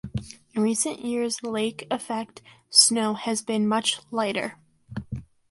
In recent years, lake-effect snow has been much lighter.